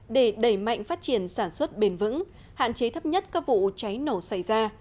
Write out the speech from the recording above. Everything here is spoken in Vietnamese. để đẩy mạnh phát triển sản xuất bền vững hạn chế thấp nhất các vụ cháy nổ xảy ra